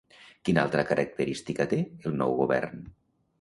Quina altra característica té el nou govern?